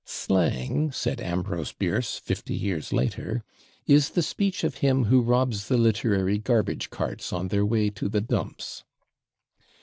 "Slang," said Ambrose Bierce fifty years later, "is the speech of him who robs the literary garbage carts on their way to the dumps."